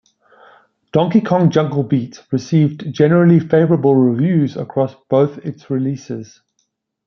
"Donkey Kong Jungle Beat" received "generally favorable" reviews across both its releases.